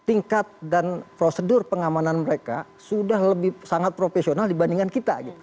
tingkat dan prosedur pengamanan mereka sudah lebih sangat profesional dibandingkan kita